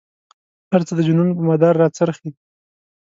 هر څه د جنون په مدار را څرخي.